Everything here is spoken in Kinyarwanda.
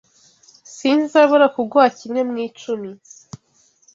sinzabura kuguha kimwe mu icumi.